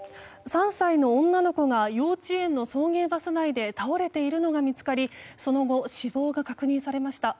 ３歳の女の子が幼稚園の送迎バス内で倒れているのが見つかりその後、死亡が確認されました。